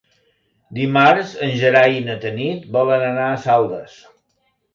Dimarts en Gerai i na Tanit volen anar a Saldes.